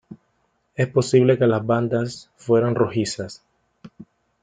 Es posible que las bandas fueran rojizas.